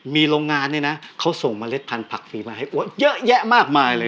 มีโรงงานเนี่ยนะเขาส่งเมล็ดพันธุผักฟรีมาให้อวดเยอะแยะมากมายเลย